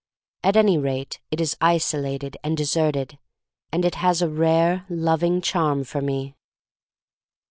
At any rate it is isolated and deserted, and it has a rare loving charm for me.